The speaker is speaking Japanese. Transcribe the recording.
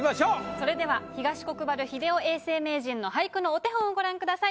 それでは東国原英夫永世名人の俳句のお手本をご覧ください。